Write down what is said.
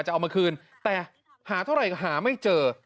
จะเอามาคืนแต่หาเท่าไหร่หาไม่เจอ